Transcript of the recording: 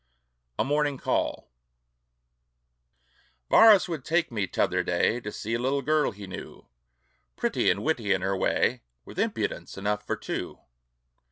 A MORNING CALL Varus would take me t'other day To see a little girl he knew, Pretty and witty in her way, With impudence enough for two.